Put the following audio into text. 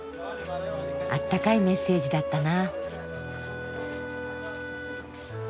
あったかいメッセージだったな。